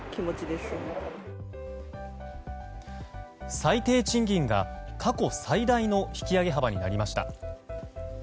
最低賃金が過去最大の引き上げ幅になりました。